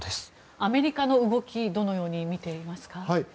アメリカの動きどう見ていますか？